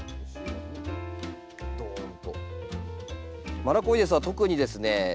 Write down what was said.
マラコイデスは特にですね